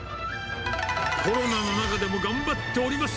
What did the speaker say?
コロナの中でも頑張っております。